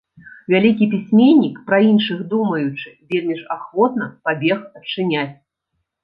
Вялікі пісьменнік, пра іншых думаючы, вельмі ж ахвотна пабег адчыняць.